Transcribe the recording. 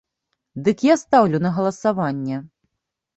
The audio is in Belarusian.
Дык я стаўлю на галасаванне.